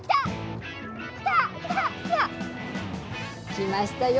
来ましたよ。